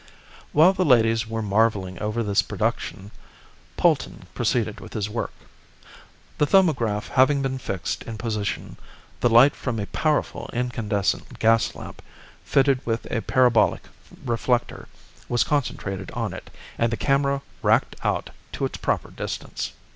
While the ladies were marvelling over this production, Polton proceeded with his work. The "Thumbograph" having been fixed in position, the light from a powerful incandescent gas lamp, fitted with a parabolic reflector, was concentrated on it, and the camera racked out to its proper distance.